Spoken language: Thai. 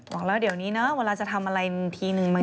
บอกแล้วเดี๋ยวนี้นะเวลาจะทำอะไรทีนึง